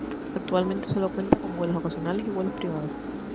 Actualmente sólo cuenta con vuelos ocasionales y vuelos privados.